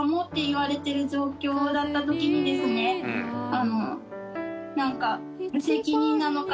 言われてる状況だったときにですね何か。